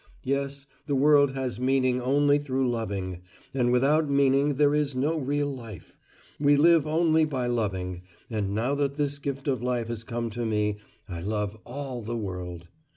Yes, the world has meaning only through loving, and without meaning there is no real life. We live only by loving, and now that this gift of life has come to me I love all the world.